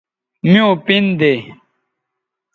میوں پِن دے